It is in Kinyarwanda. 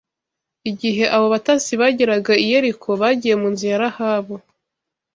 Igihe abo batasi bageraga i Yeriko bagiye mu nzu ya Rahabu.